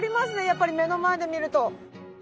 やっぱり目の前で見ると。